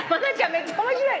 めっちゃ面白い。